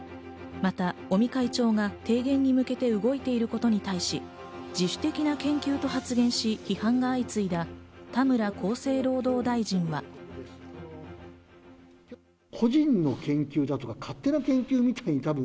また尾身会長が提言に向けて動いていることに対し、自主的な研究と発言し、批判が相次いだ田村厚生労働大臣は。と釈明した上で。